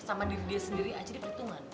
sama diri dia sendiri aja dia begitu man